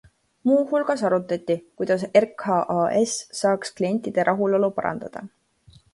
Muu hulgas arutati, kuidas RKAS saaks klientide rahulolu parandada.